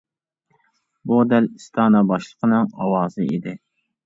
بۇ دەل ئىستانسا باشلىقىنىڭ ئاۋازى ئىدى.